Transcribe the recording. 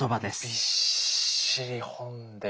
びっしり本で。